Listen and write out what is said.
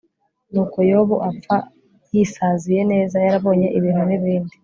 nuko yobu apfa yisaziye neza, yarabonye ibintu n'ibindi